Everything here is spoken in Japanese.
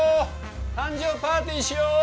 誕生パーティーしよう！